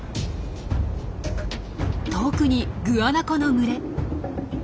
遠くにグアナコの群れ。